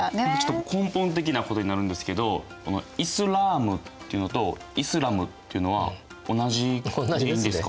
根本的なことになるんですけど「イスラーム」っていうのと「イスラム」っていうのは同じことでいいんですか？